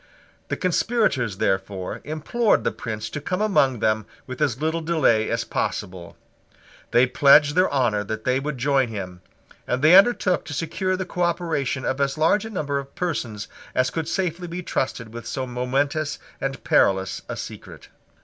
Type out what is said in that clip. The conspirators, therefore, implored the Prince to come among them with as little delay as possible. They pledged their honour that they would join him; and they undertook to secure the cooperation of as large a number of persons as could safely be trusted with so momentous and perilous a secret.